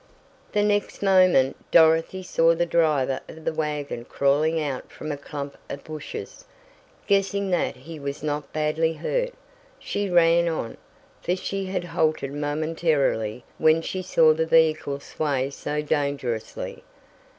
The next moment Dorothy saw the driver of the wagon crawling out from a clump of bushes. Guessing that he was not badly hurt, she ran on, for she had halted momentarily when she saw the vehicle sway so dangerously.